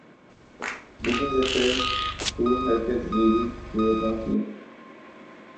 اوپر سے بھرپور حرکات غیبی قوتوں کی۔